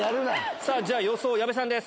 さあ、じゃあ、予想、矢部さんです。